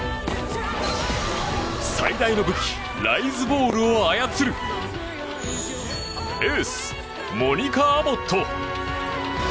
最大の武器、ライズボールを操るエース、モニカ・アボット。